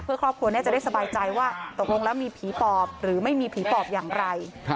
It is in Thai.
เพื่อครอบครัวน่าจะได้สบายใจว่าตกลงแล้วมีผีปอบหรือไม่มีผีปอบอย่างไร